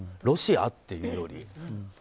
ロシアっていうより。